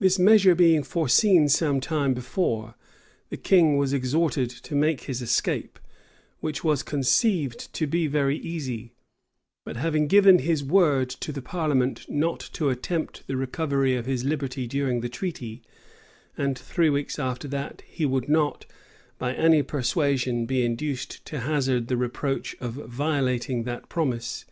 [Illustration: 1 705 hurst castle.jpg HURST CASTLE] This measure being foreseen some time before, the king was exhorted to make his escape, which was conceived to be very easy: but having given his word to the parliament not to attempt the recovery of his liberty during the treaty, and three weeks after, he would not, by any persuasion, be induced to hazard the reproach of violating that promise.